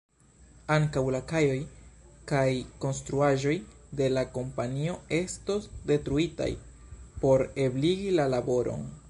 Ankaŭ la kajoj kaj konstruaĵoj de la kompanio estos detruitaj por ebligi la laboron.